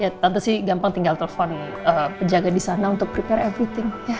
ya tentu sih gampang tinggal telepon penjaga di sana untuk prepare everything